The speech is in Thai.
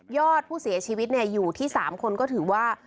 อดผู้เสียชีวิตอยู่ที่๓คนก็ถือว่า